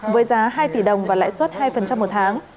với giá hai tỷ đồng và lãi suất hai một tháng